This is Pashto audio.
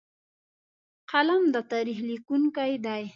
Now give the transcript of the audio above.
قلم د تاریخ لیکونکی دی